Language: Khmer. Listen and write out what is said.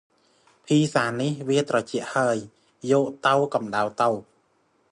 ភីហ្សានេះ វាត្រជាក់ហើយ យកទៅកំដៅទៅ ។